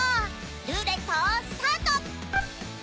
ルーレットスタート！